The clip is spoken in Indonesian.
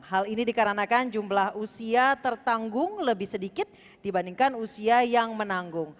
hal ini dikarenakan jumlah usia tertanggung lebih sedikit dibandingkan usia yang menanggung